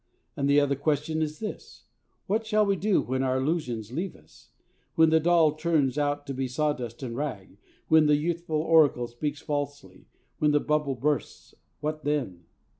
And the other question is this: What shall we do when our illusions leave us? When the doll turns out to be sawdust and rag, when the youthful oracle speaks falsely, when the bubble bursts, what then?